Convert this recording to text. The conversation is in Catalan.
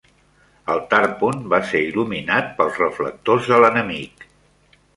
El "Tarpon" va ser il·luminat pels reflectors de l'enemic.